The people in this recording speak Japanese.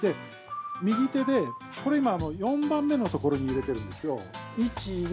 右手で、これ今４番目のところに入れてるんですよ。